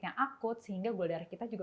yang akut sehingga gula darah kita juga